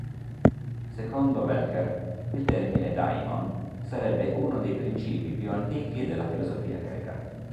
Secondo Welker, il termine "daimon" sarebbe uno dei principi più antichi della filosofia greca.